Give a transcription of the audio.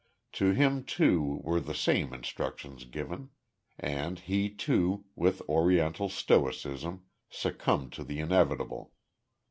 To him, too, were the same instructions given. And he, too, with Oriental stoicism, succumbed to the inevitable.